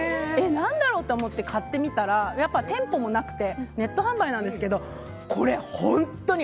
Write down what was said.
何だろう？って思って買ってみたら、店舗もなくてネット販売なんですけどこれ、本当に。